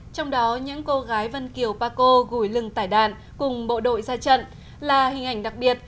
trong đó những cô gái vân kiều paco gửi lưng tải đạn cùng bộ đội ra trận là hình ảnh đặc biệt